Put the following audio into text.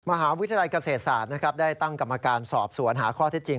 มหาวิทยาลัยเกษตระได้ตั้งกำมาตรการสอบส่วนหาข้อที่จริง